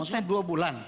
maksudnya dua bulan